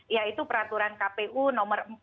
yaitu peraturan kpu nomor